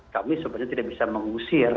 kami sebenarnya tidak bisa mengusir